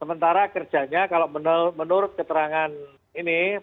sementara kerjanya kalau menurut keterangan ini